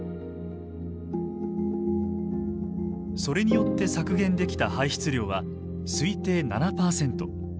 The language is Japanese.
それによって削減できた排出量は推定７％。